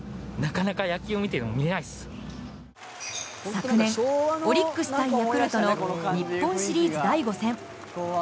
昨年オリックス対ヤクルトの日本シリーズ第５戦。